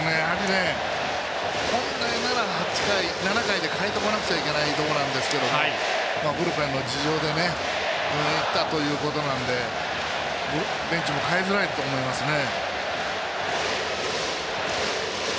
本来なら７回で代えておかなくちゃいけないところなんですけどブルペンの事情でいったということなのでベンチも代えづらいと思いますね。